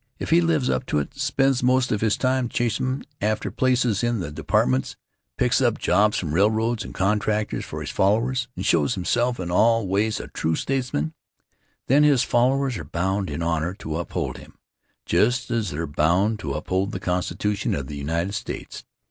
If he lives up to it, spends most of his time chasm' after places in the departments, picks up jobs from railroads and contractors for his followers, and shows himself in all ways a true statesman, then his followers are bound in honor to uphold him, just as they're bound to uphold the Constitution of the United States.